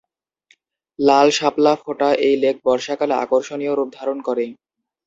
লাল শাপলা ফোটা এই লেক বর্ষাকালে আকর্ষণীয় রূপ ধারণ করে।